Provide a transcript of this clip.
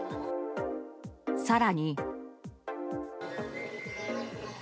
更に。